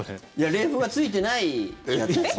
冷風がついてないやつですね。